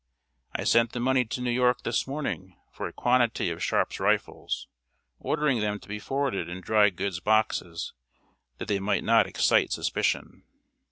I sent the money to New York this morning for a quantity of Sharp's rifles, ordering them to be forwarded in dry goods boxes, that they might not excite suspicion."